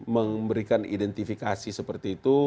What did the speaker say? memberikan identifikasi seperti itu